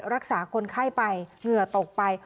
รักษาคนไข้ไปเหงื่อตกไป